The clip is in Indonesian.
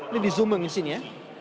ini di zoom in sini ya